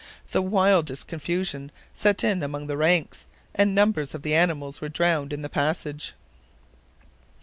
The wildest confusion set in among the ranks, and numbers of the animals were drowned in the passage.